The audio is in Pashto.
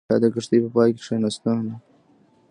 دا د کښتۍ په پای کې کښېناستله.